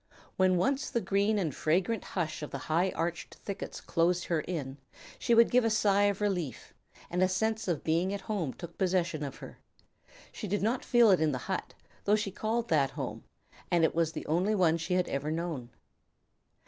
When once the green and fragrant hush of the high arched thickets closed her in, she would give a sigh of relief, and a sense of being at home took possession of her. She did not feel it in the hut, though she called that home, and it was the only one she had ever known.